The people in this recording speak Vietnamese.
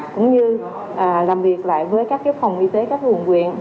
cũng như làm việc lại với các cái phòng y tế các cái quận quyền